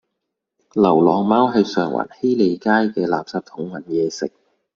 流浪貓喺上環禧利街嘅垃圾桶搵野食